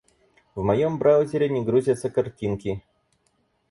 В моём браузере не грузятся картинки.